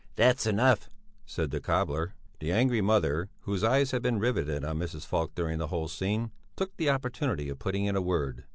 "That's enough!" said the cobbler. The angry mother, whose eyes had been riveted on Mrs. Falk during the whole scene, took the opportunity of putting in a word.